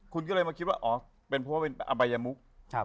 คุณก็เลยมาคิดว่าอ๋อเป็นเพราะว่าเป็นอบายมุก